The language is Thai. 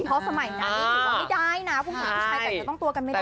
เพราะสมัยนั้นถือว่าไม่ได้นะผู้หญิงผู้ชายแต่งตัวต้องตัวกันไม่ได้